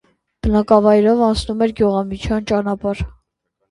Բնակավայրով անցնում էր գյուղամիջյան ճանապարհ։